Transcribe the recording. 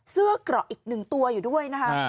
เสื้อกระอีก๑ตัวอยู่ด้วยนะฮะ